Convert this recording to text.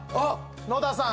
野田さん。